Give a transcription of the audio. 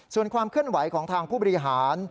ส่วนความเคลื่อนไหวของทางผู้บริหาร